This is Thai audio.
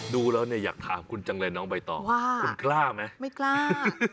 ดูแล้วเนี่ยอยากถามคุณจังเลยน้องใบตองว่าคุณกล้าไหมไม่กล้า